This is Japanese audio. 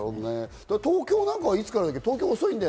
東京なんかはいつからだっけ？